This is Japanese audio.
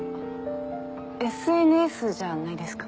ＳＮＳじゃないですか？